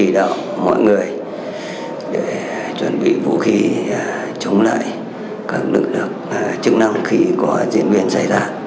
để chuẩn bị vũ khí chống lại các lực lượng chức năng khi có diễn biến xảy ra